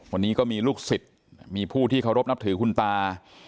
วันนี้ก็มีลูกศิษย์มีผู้ที่เคารพนับถือคุณตา